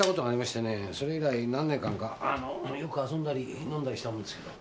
それ以来何年間かよく遊んだり飲んだりしたもんですけど。